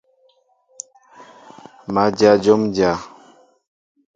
Má dyă jǒm dyá.